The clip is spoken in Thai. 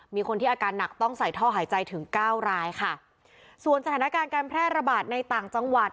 มีคนที่อาการหนักต้องใส่ท่อหายใจถึงเก้ารายค่ะส่วนสถานการณ์การแพร่ระบาดในต่างจังหวัด